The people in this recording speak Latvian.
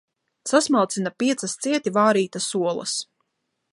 Sasmalcina piecas cieti vārītas olas.